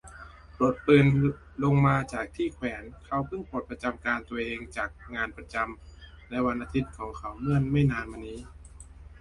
ปลดปืนลงมาจากที่แขวน เขาเพิ่งปลดประจำการตัวเองจากงานประจำในวันอาทิตย์ของเขาเมื่อไม่นานนี้